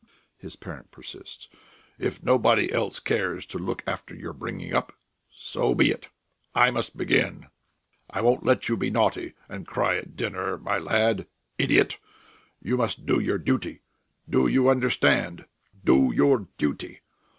his parent persists. "If nobody else cares to look after your bringing up, so be it; I must begin.... I won't let you be naughty and cry at dinner, my lad! Idiot! You must do your duty! Do you understand? Do your duty!